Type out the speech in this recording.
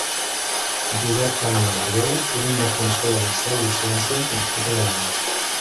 Josep Pàmies Breu és un defensor de les pseudociències nascut a Balaguer.